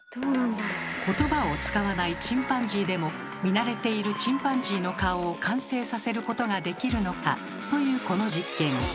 ことばを使わないチンパンジーでも見慣れているチンパンジーの顔を完成させることができるのかというこの実験。